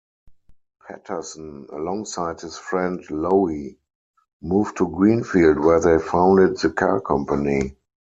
Patterson, alongside his friend Lowe, moved to Greenfield where they founded the car company.